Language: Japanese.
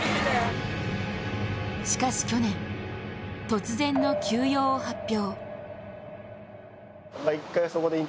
しかし去年、突然の休養を発表。